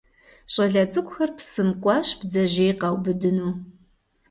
Щӏалэ цӏыкӏухэр псым кӏуащ бдзэжьей къаубыдыну.